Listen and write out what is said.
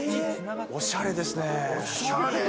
おしゃれですね。